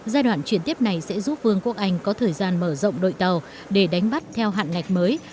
giai đoạn chuyển tiếp này sẽ giúp vương quốc anh có thời gian mở rộng đội tàu để đánh bắt theo hạn ngạch mới